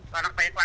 và đặc biệt là